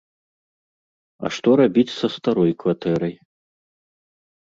А што рабіць са старой кватэрай?